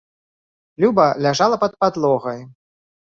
Люба ляжала пад падлогай.